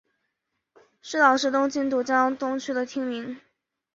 石岛是东京都江东区的町名。